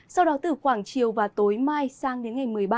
sau đó từ khoảng chiều và tối mai sang đến ngày một mươi ba